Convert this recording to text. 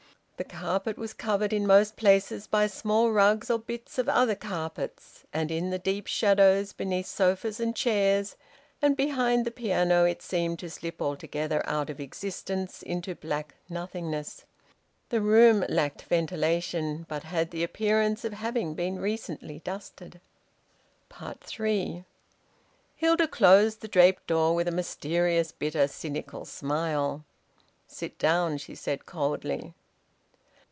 The carpet was covered in most places by small rugs or bits of other carpets, and in the deep shadows beneath sofas and chairs and behind the piano it seemed to slip altogether out of existence into black nothingness. The room lacked ventilation, but had the appearance of having been recently dusted. THREE. Hilda closed the draped door with a mysterious, bitter, cynical smile. "Sit down," she said coldly.